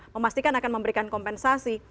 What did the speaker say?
memastikan akan memberikan kompensasi